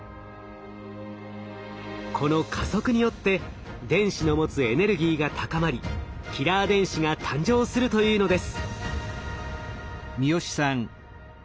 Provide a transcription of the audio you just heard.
この加速によって電子の持つエネルギーが高まりキラー電子が誕生するというのです。